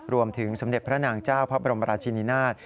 สมเด็จพระนางเจ้าพระบรมราชินินาศ